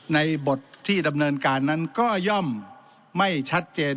ในบทที่ดำเนินการนั้นก็ย่อมไม่ชัดเจน